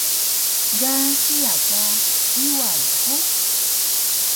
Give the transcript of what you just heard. ga hiya ka Iwal hug?